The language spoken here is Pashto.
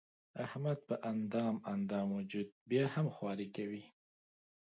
احمد په اندام اندام وجود بیا هم خواري کوي.